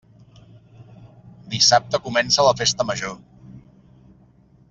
Dissabte comença la Festa Major.